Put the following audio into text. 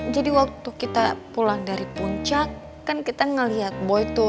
jadi waktu kita pulang dari puncak kan kita ngelihat boy tuh